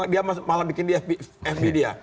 dia malah bikin di fb dia